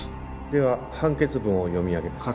では判決文を読み上げます。